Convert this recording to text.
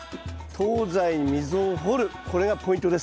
東西に溝を掘るこれがポイントです。